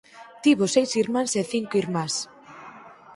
Tivo seis irmáns e cinco irmás.